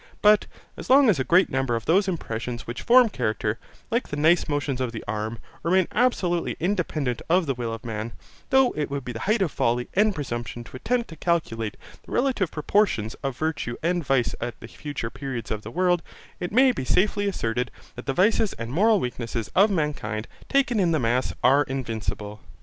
But as long as a great number of those impressions which form character, like the nice motions of the arm, remain absolutely independent of the will of man, though it would be the height of folly and presumption to attempt to calculate the relative proportions of virtue and vice at the future periods of the world, it may be safely asserted that the vices and moral weakness of mankind, taken in the mass, are invincible.